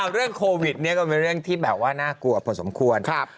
เรื่องโควิดนี่ก็เป็นเรื่องที่น่ากลัวผลสมควร